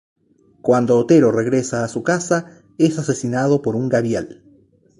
Cuando Otero regresa a su casa, es asesinado por un Gavial.